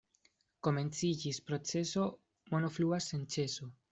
Komenciĝis proceso, mono fluas sen ĉeso.